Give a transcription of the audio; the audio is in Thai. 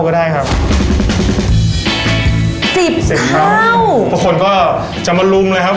ประกอบครรษก็จำลุมเลยครับผม